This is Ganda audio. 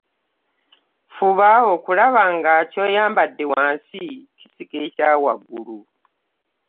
Fuba okulabanga nga kyoyambadde wansi kisika ekya waggulu.